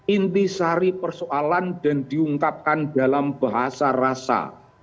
inti sari persoalan dan diungkapkan dalam bahasa rasa